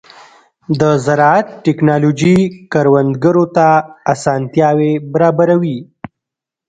د زراعت ټیکنالوژي کروندګرو ته اسانتیاوې برابروي.